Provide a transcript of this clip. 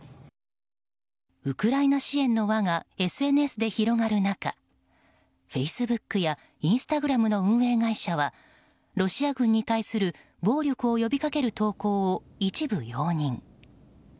ウクライナ支援の輪がＳＮＳで広がる中フェイスブックやインスタグラムの運営会社はロシア軍に対する暴力を呼びかける投稿を一部容認。